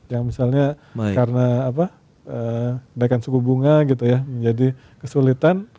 yang misalnya karena naikan suku bunga gitu ya menjadi kesulitan